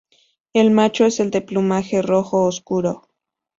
El macho es de plumaje rojo oscuro.